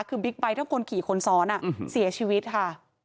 คือบิ๊กไบท์ทั้งคนขี่คนซ้อนเสียชีวิตค่ะ